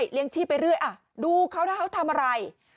ชีพไปเรื่อยดูเขานะเขาทำอะไร